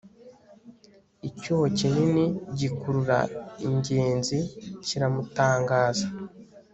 Icyuho kinini gikurura ingenzi kiramutangaza